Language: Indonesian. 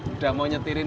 udah mau nyetirin